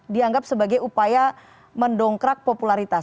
dianggap sebagai upaya mendongkrak popularitas